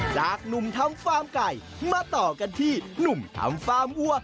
จากหนุ่มทำฟาร์มไก่มาต่อกันที่หนุ่มทำฟาร์มวัว